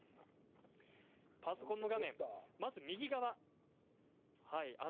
パソコンの画面の右側。